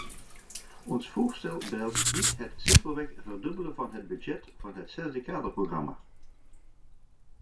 Ons voorstel behelst niet het simpelweg verdubbelen van het budget van het zesde kaderprogramma.